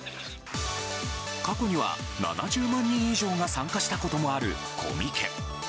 過去には７０万人以上が参加したこともあるコミケ。